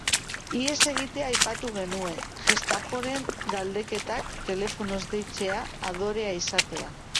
Ihes egitea aipatu genuen, Gestaporen galdeketak, telefonoz deitzea, adorea izatea.